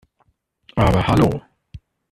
Aber hallo!